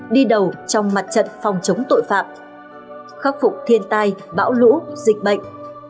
đi đầu trong mặt trận phòng chống tội phạm khắc phục thiên tai bão lũ dịch bệnh